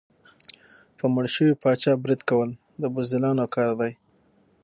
په مړ شوي پاچا برید کول د بزدلانو کار دی.